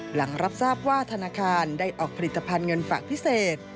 หลังรับทราบว่าธนาคารได้ออกผลิตภัณฑ์เงินฝากพิเศษ